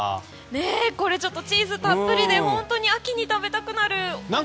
これ、チーズたっぷりで本当に秋に食べたくなりますね。